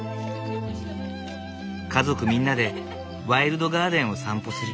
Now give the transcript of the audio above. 家族みんなでワイルドガーデンを散歩する。